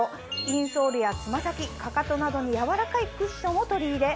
インソールやつま先かかとなどに柔らかいクッションを取り入れ